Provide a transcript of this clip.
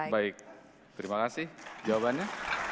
baik terima kasih jawabannya